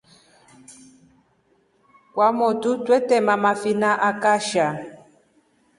Kwamotru twete mafina akasha.